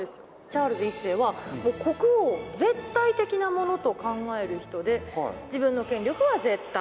チャールズ１世は国王を絶対的なものと考える人で自分の権力は絶対。